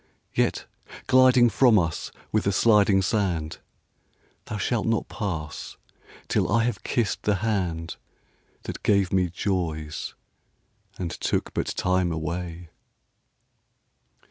Yet, gliding from us with the sliding sand, Thou shalt not pass till I have kissed the handThat gave me joys, and took but time away.